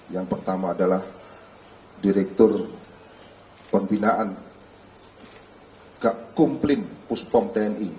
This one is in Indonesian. yang pertama adalah direktur pembinaan gak kumplin puspom tni